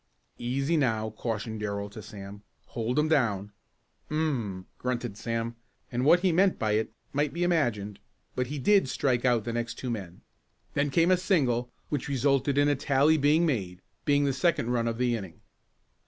"Easy now," cautioned Darrell to Sam. "Hold 'em down." "Um!" grunted Sam, and what he meant by it might be imagined, but he did strike out the next two men. Then came a single which resulted in a tally being made, being the second run of the inning.